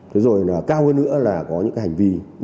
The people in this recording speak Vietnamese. thế rồi là cao hơn nữa là có những cái hành vi đe dọa giết